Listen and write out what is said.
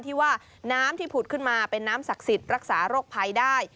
ที่ว่าน้ำที่ผุดขึ้นมาเป็นน้ำศักดิ์สิทธิ์รักษาโรคภัยได้